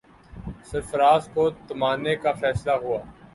سرفراز کو تھمانے کا فیصلہ ہوا۔